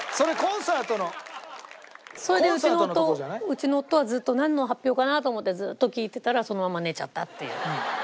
うちの夫はずっとなんの発表かなと思ってずっと聞いてたらそのまま寝ちゃったっていう。